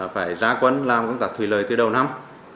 phải ra quấn làm công tác thủy lời từ đầu năm